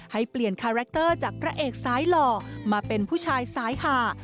ให้เปลี่ยนคาแรคเตอร์จากพระเอกสายหล่อมาเป็นผู้ชายสายหา